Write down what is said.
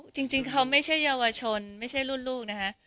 จริงเขาไม่ใช่เยาวชนไม่ใช่รุ่นลูกนะคะ